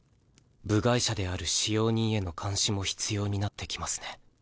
部外者である使用人への監視も必要になってきますね。